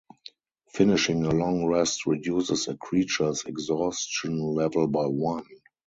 Finishing a long rest reduces a creature’s exhaustion level by one.